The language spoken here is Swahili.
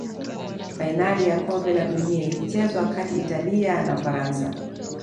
fainali ya kombe la dunia ilichezwa kati italia na ufaransa